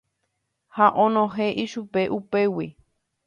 Ha onohẽ ichupe upégui.